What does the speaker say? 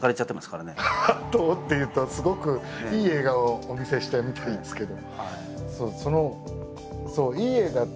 「ハートを」っていうとすごくいい映画をお見せしたみたいですけど。